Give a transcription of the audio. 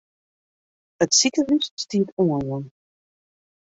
It sikehûs stiet oanjûn.